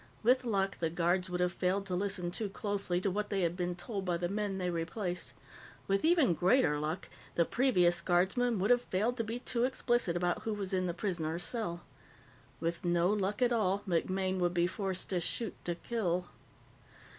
With luck, the guards would have failed to listen too closely to what they had been told by the men they replaced; with even greater luck, the previous guardsmen would have failed to be too explicit about who was in the prisoner's cell. With no luck at all, MacMaine would be forced to shoot to kill.